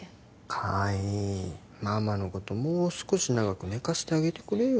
海ママのこともう少し長く寝かせてあげてくれよ